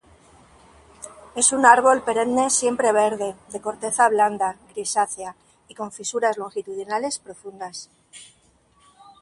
Es un árbol perenne siempreverde, de corteza blanda, grisácea y con fisuras longitudinales profundas.